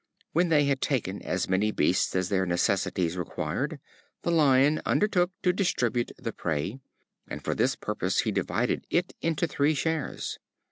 When they had taken as many beasts as their necessities required, the Lion undertook to distribute the prey, and for this purpose divided it into three shares.